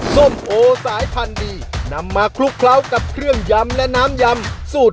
ส้มโอสายพันธุ์ดีนำมาคลุกเคล้ากับเครื่องยำและน้ำยำสูตร